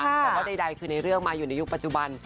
แต่ว่าใดคือในเรื่องมาอยู่ในยุคปัจจุบัน